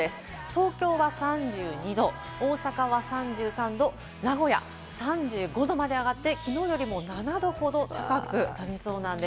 東京は３２度、大阪は３３度、名古屋３５度まで上がって、きのうよりも７度ほど高くなりそうなんです。